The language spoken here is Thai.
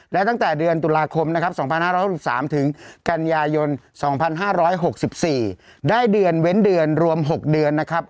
และตั้งแต่เดือนตุลาคมนะครับ๒๕๖๓ถึงกันยายน๒๕๖๔ได้เดือนเว้นเดือนรวม๖เดือนนะครับ